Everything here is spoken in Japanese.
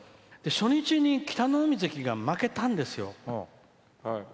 で、初日に北の湖関が負けたんですよ。